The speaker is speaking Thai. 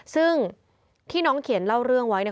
ซึ่งที่น้องเขียนเล่าเรื่องไว้